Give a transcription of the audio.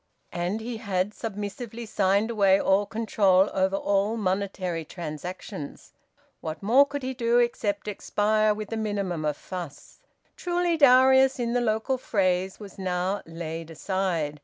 And he had submissively signed away all control over all monetary transactions. What more could he do, except expire with the minimum of fuss? Truly Darius, in the local phrase, was now `laid aside'!